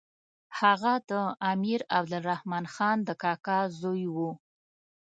هغه د امیر عبدالرحمن خان د کاکا زوی وو.